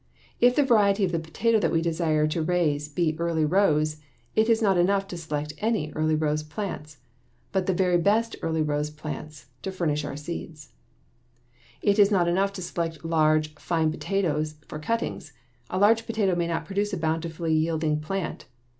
If the variety of the potato that we desire to raise be Early Rose, it is not enough to select any Early Rose plants, but the very best Early Rose plants, to furnish our seed. [Illustration: FIG. 47. LAYERING] It is not enough to select large, fine potatoes for cuttings. A large potato may not produce a bountifully yielding plant.